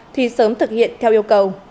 thì sớm thực hiện theo yêu cầu